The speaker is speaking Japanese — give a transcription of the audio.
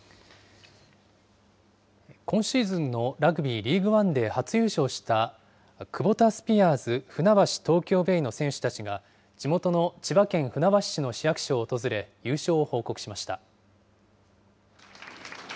今シーズンのラグビー・リーグワンで初優勝した、クボタスピアーズ船橋・東京ベイの選手たちが、地元の千葉県船橋市の市役所を訪れ、優勝を報告しました。